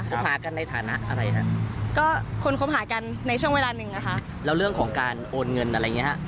หากันในฐานะอะไรฮะก็คนคบหากันในช่วงเวลาหนึ่งนะคะแล้วเรื่องของการโอนเงินอะไรอย่างเงี้ฮะ